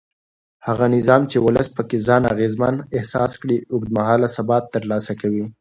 هغه نظام چې ولس پکې ځان اغېزمن احساس کړي اوږد مهاله ثبات ترلاسه کوي